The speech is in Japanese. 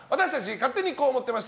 勝手にこう思ってました！